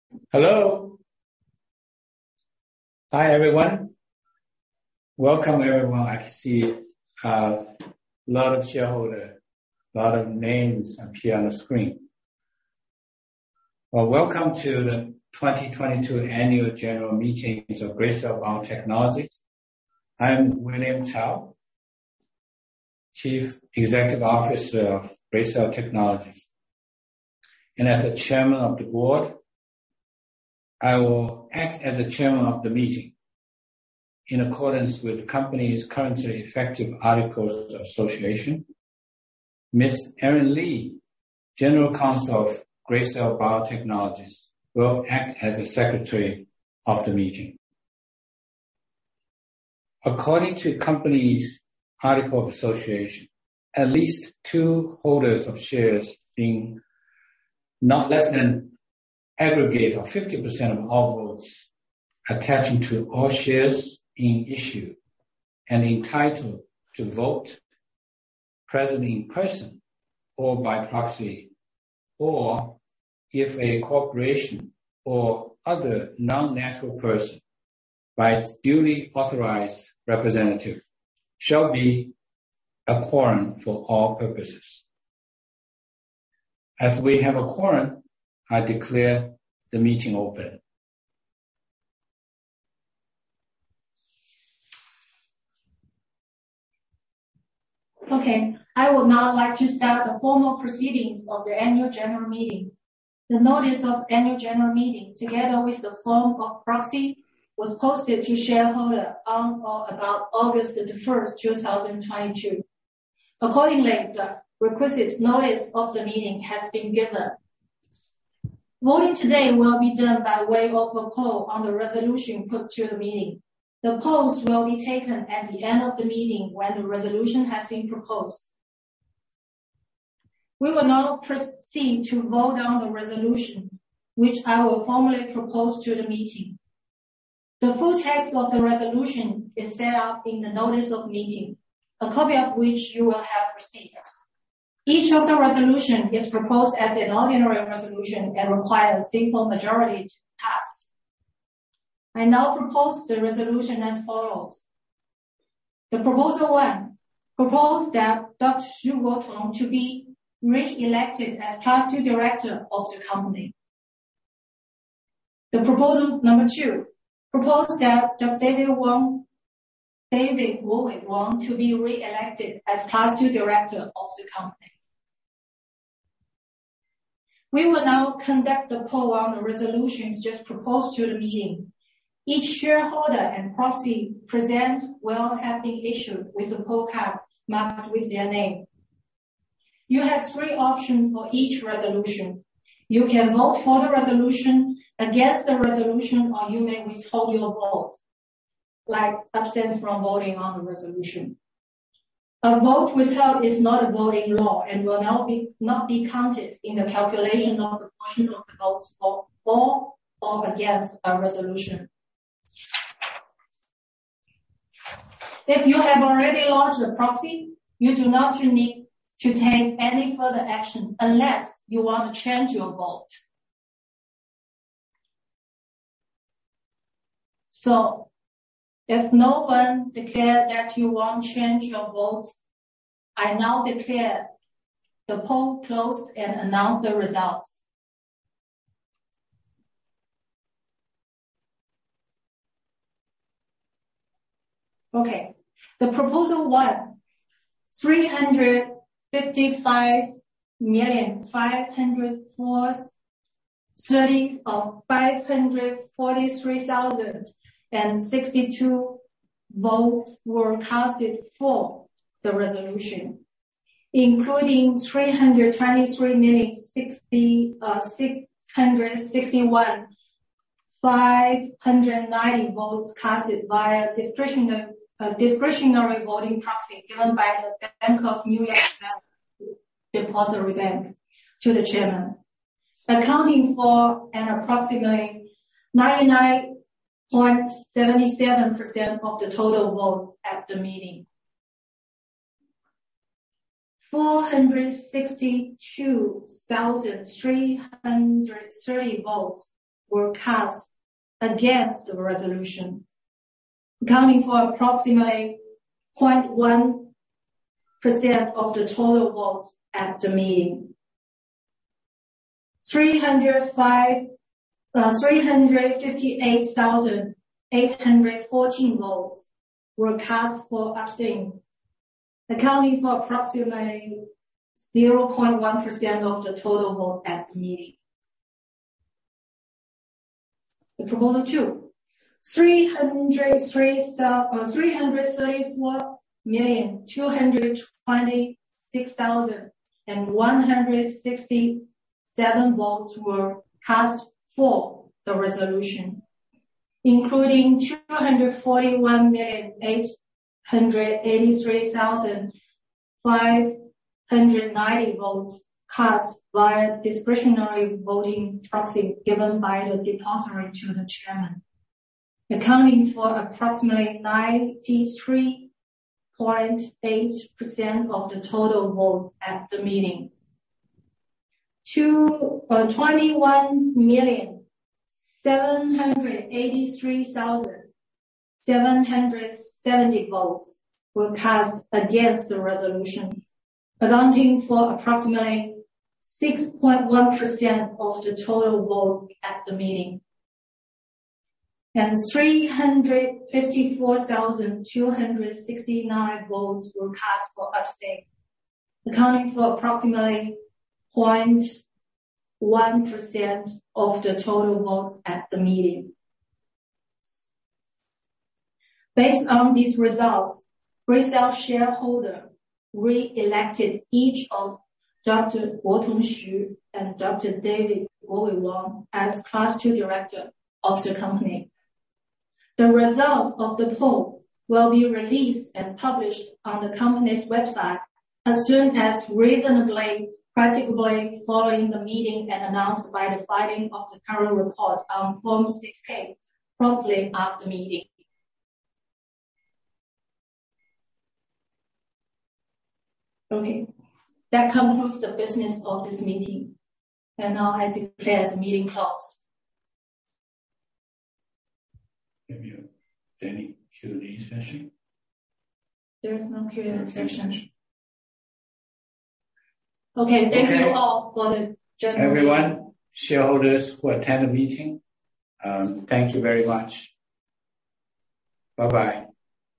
Hello. Hi, everyone. Welcome, everyone. I can see a lot of shareholders, a lot of names appear on the screen. Well, welcome to the 2022 annual general meetings of Gracell Biotechnologies. I am William Cao, Chief Executive Officer of Gracell Biotechnologies. As the Chairman of the board, I will act as the chairman of the meeting. In accordance with the company's currently effective articles of association, Ms. Erin Lee, General Counsel of Gracell Biotechnologies, will act as the Secretary of the meeting. According to the company's article of association, at least two holders of shares being not less than aggregate of 50% of all votes attaching to all shares being issued and entitled to vote, present in person or by proxy, or if a corporation or other non-natural person by its duly authorized representative, shall be a quorum for all purposes. As we have a quorum, I declare the meeting open. Okay. I would now like to start the formal proceedings of the annual general meeting. The notice of annual general meeting, together with the form of proxy, was posted to shareholder on or about August 1, 2022. Accordingly, the requisite notice of the meeting has been given. Voting today will be done by way of a poll on the resolution put to the meeting. The polls will be taken at the end of the meeting when the resolution has been proposed. We will now proceed to vote on the resolution, which I will formally propose to the meeting. The full text of the resolution is set out in the notice of meeting, a copy of which you will have received. Each of the resolution is proposed as an ordinary resolution and require a simple majority to pass. I now propose the resolution as follows. The Proposal one proposes that Dr. Guotong Xu be re-elected as Class II Director of the company. The Proposal number two proposes that Dr. David Guowei Wang be re-elected as Class II Director of the company. We will now conduct the poll on the resolutions just proposed to the meeting. Each shareholder and proxy present will have been issued with a poll card marked with their name. You have three options for each resolution. You can vote for the resolution, against the resolution, or you may withhold your vote, like abstain from voting on the resolution. A vote withheld is not a vote in law and will not be counted in the calculation of the quotient of votes for or against a resolution. If you have already lodged a proxy, you do not need to take any further action unless you want to change your vote. If no one declare that you want to change your vote, I now declare the poll closed and announce the results. Okay. Proposal one, 355,543,062 votes were casted for the resolution, including 323,661,590 votes casted via discretionary voting proxy given by the Bank of New York Mellon Depositary Bank to the chairman, accounting for an approximately 99.77% of the total votes at the meeting. 462,330 votes were cast against the resolution, accounting for approximately 0.1% of the total votes at the meeting. 358,814 votes were cast for abstain, accounting for approximately 0.1% of the total vote at the meeting. Proposal 2, 334,226,167 votes were cast for the resolution, including 241,883,590 votes cast via discretionary voting proxy given by the depository to the chairman, accounting for approximately 93.8% of the total votes at the meeting. 21,783,770 votes were cast against the resolution, accounting for approximately 6.1% of the total votes at the meeting. 354,269 votes were cast for abstain, accounting for approximately 0.1% of the total votes at the meeting. Based on these results, Gracell shareholders re-elected each of Dr. Guotong Xu and Dr. David Guowei Wang as Class II Director of the company. The result of the poll will be released and published on the company's website as soon as reasonably practicable following the meeting and announced by the filing of the current report on Form 6-K promptly after meeting. Okay. That concludes the business of this meeting. Now I declare the meeting closed. Do we have any Q&A session? There is no Q&A session. Okay. Okay. Thank you all for the generous- Everyone, shareholders who attend the meeting, thank you very much. Bye-bye.